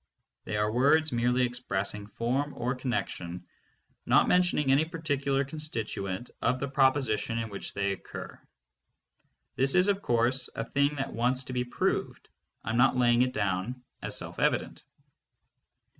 They are words merely expressing form or connection, not mentioning any particular con stituent of the proposition in which they occur. This is, of course, a thing that wants to be proved; I am not laying it down as self evident.